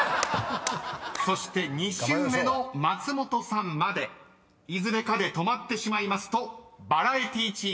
［そして２周目の松本さんまでいずれかで止まってしまいますとバラエティチーム勝利となります］